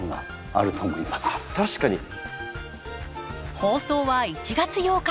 放送は１月８日。